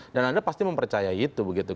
dan anda pasti mempercaya itu